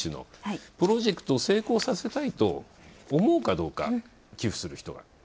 プロジェクトを成功させたいと思うかどうか、寄付する人が。